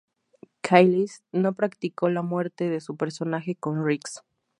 Callies no practicó la muerte de su personaje con Riggs.